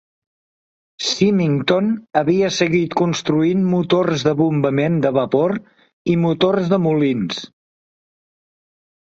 Symington havia seguit construint motors de bombament de vapor i motors de molins.